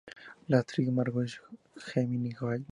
La actriz Margaux Hemingway debía su nombre a este vino.